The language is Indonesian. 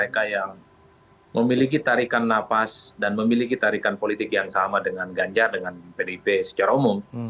mereka yang memiliki tarikan nafas dan memiliki tarikan politik yang sama dengan ganjar dengan pdip secara umum